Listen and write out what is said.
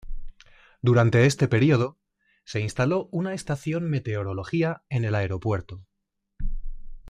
Durante este periodo se instaló una estación meteorología en el aeropuerto.